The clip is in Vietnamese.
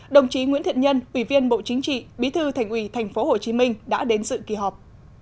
đồng chí nguyễn thiện nhân ủy viên bộ chính trị bí thư thành ủy thành phố hồ chí minh đã đến sự kỳ họp